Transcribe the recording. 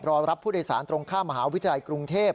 รอรับผู้โดยสารตรงข้ามมหาวิทยาลัยกรุงเทพ